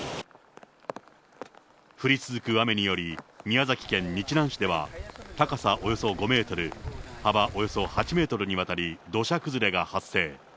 降り続く雨により、宮崎県日南市では高さおよそ５メートル、幅およそ８メートルにわたり、土砂崩れが発生。